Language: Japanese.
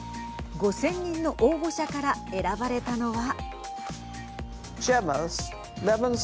５０００人の応募者から選ばれたのは。